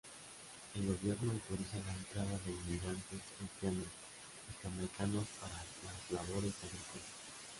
El gobierno autoriza la entrada de inmigrantes haitianos y jamaicanos para las labores agrícolas.